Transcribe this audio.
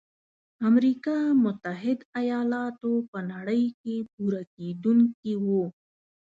امریکا متحد ایلاتو په نړۍ کې پوره کوونکي وو.